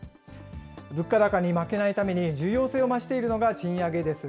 物価高に負けないために重要性が増しているのが賃上げです。